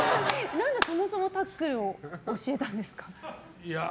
何で、そもそもタックルを教えたんですか？